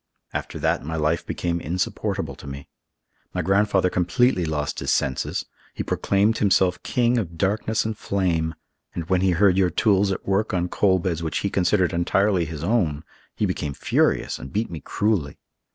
After that my life became insupportable to me. My grandfather completely lost his senses. He proclaimed himself King of Darkness and Flame; and when he heard your tools at work on coal beds which he considered entirely his own, he became furious and beat me cruelly.